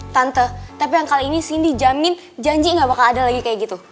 tante tapi yang kali ini cindy jamin janji gak bakal ada lagi kayak gitu